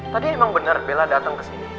tadi emang bener bella dateng ke sini